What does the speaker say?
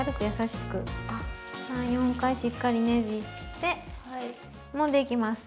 ３４回しっかりねじってもんでいきます。